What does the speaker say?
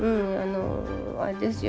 あれですよ